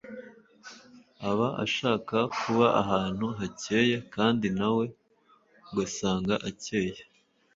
aba ashaka kuba ahantu hacyeye kandi nawe ugasanga acyeye